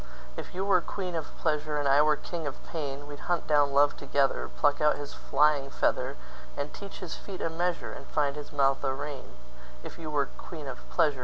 If you were queen of pleasure, And I were king of pain, We'd hunt down love together, Pluck out his flying feather, And teach his feet a measure, And find his mouth a rein; If you were queen of pleasure.